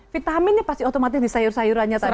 vitaminnya pasti otomatis di sayur sayurannya tadi